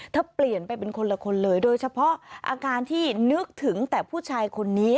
เปลี่ยนไปเป็นคนละคนเลยโดยเฉพาะอาการที่นึกถึงแต่ผู้ชายคนนี้